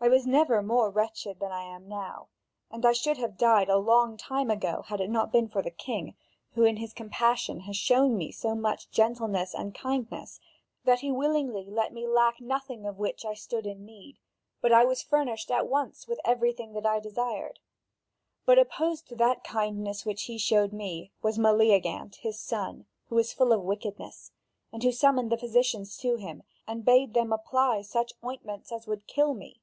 I was never more wretched than I am now. And I should have died a long time ago, had it not been for the king, who in his compassion has shown me so much gentleness and kindness that he willingly let me lack nothing of which I stood in need; but I was furnished at once with everything that I desired. But opposed to the kindness which he showed me, was Meleagant his son, who is full of wickedness, and who summoned the physicians to him and bade them apply such ointments as would kill me.